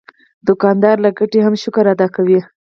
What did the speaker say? دوکاندار له ګټې هم شکر ادا کوي.